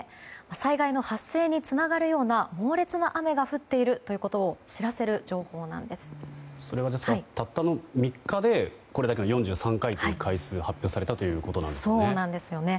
災害の発生につながるような猛烈な雨が降っているということを知らせるそれがたったの３日でこれだけの４３回という回数が発表されたということなんですかね。